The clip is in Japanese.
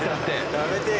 やめてよ。